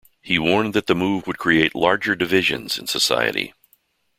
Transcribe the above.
He warned that the move would create "larger divisions" in society.